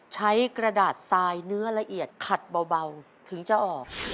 กระดาษทรายเนื้อละเอียดขัดเบาถึงจะออก